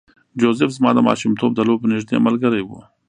جوزف زما د ماشومتوب د لوبو نږدې ملګری و